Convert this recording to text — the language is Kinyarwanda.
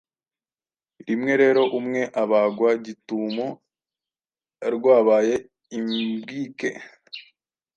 Rimwe rero umwe abagwa gitumo rwabaye imbwike.